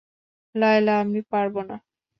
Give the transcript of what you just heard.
লায়লা, আমি পারব না।